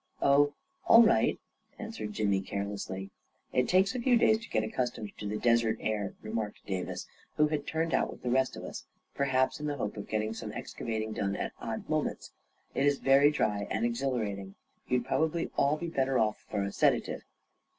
" Oh, all right," answered Jimmy carelessly. " It takes a few days to get accustomed to the 'desert air," remarked Davis, who had turned out with the rest of us, perhaps in the hope of getting some excavating done at odd moments. " It is very dry and exhilarating. You'd probably all be better off for a sedative."